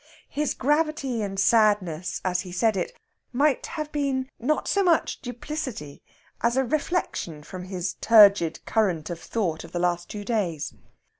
His gravity and sadness as he said it may have been not so much duplicity as a reflection from his turgid current of thought of the last two days.